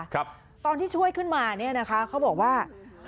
ครับตอนที่ช่วยขึ้นมาเนี่ยนะคะเขาบอกว่า